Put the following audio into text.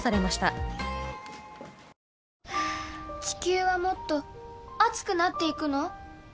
地球はもっと熱くなっていくの？